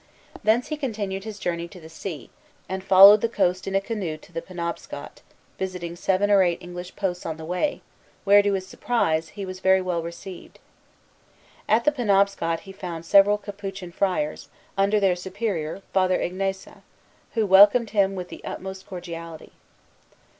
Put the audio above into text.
Thence he continued his journey to the sea, and followed the coast in a canoe to the Penobscot, visiting seven or eight English posts on the way, where, to his surprise, he was very well received. At the Penobscot he found several Capuchin friars, under their Superior, Father Ignace, who welcomed him with the utmost cordiality.